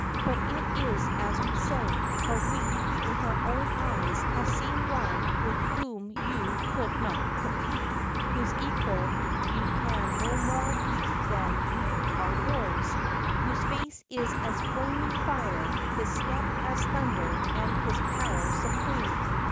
But it is as we say, for we, with our own eyes, have seen one with whom you could not compete—whose equal you can no more be than we are yours—whose face is as flaming fire, his step as thunder, and his power supreme."